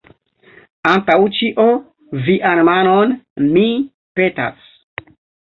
Antaŭ ĉio, vian manon, mi, petas.